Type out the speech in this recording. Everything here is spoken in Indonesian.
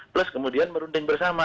plus kemudian merunding bersama